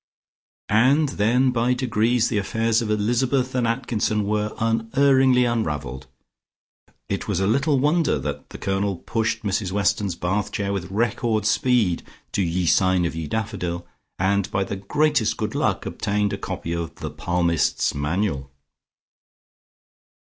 And then by degrees the affairs of Elizabeth and Atkinson were unerringly unravelled. It was little wonder that the Colonel pushed Mrs Weston's bath chair with record speed to "Ye signe of ye daffodil," and by the greatest good luck obtained a copy of the "Palmist's Manual."